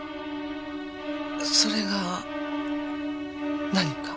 それが何か？